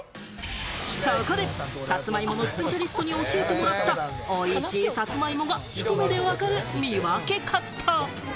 そこでさつまいものスペシャリストに教えてもらった、おいしいさつまいもが、ひと目でわかる見分け方。